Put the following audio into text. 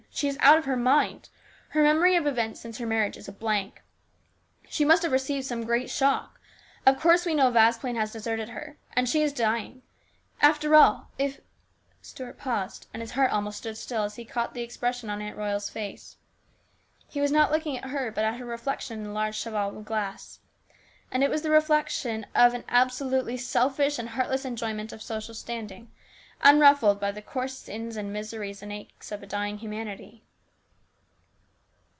She is out of her mind. Her memory of events since her marriage is a blank. She must have received some great shock. Of course we know Vasplaine has deserted her. And she is dying. After all if " Stuart paused and his heart almost stood still as he caught the expression on Aunt Royal's face. He was not looking at her, but at her reflection in the large cheval glass. And it was the reflection of an absolutely selfish and heartless enjoyment of social standing, unruffled by the coarse sins and miseries and aches of a dying humanity.